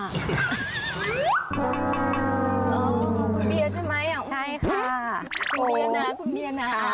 อ๋อคุณเบียนใช่ไหมอ๋อคุณเบียนนะคุณเบียนนะ